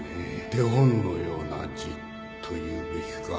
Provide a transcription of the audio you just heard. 手本のような字というべきか